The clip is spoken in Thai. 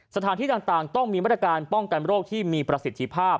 สถานที่ต่างต้องมีมาตรการป้องกันโรคที่มีประสิทธิภาพ